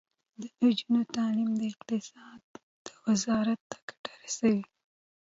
د نجونو تعلیم د اقتصاد وزارت ته ګټه رسوي.